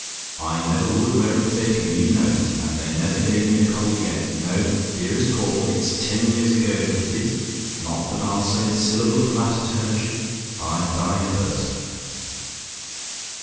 I never would wear 'em thick, and you know it, and they never gave me a cold yet. No, dearest Caudle, it's ten years ago that did it; not that I'll say a syllable of the matter to hurt you. I'd die first.